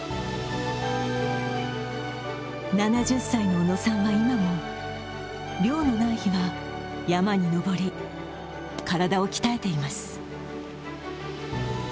７０歳の小野さんは今も漁のない日は山に登り、体を鍛えています。